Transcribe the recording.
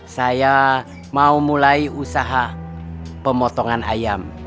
saya mau mulai usaha pemotongan ayam